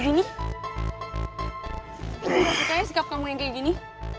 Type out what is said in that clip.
gak usah ya sikap kamu yang kayak gini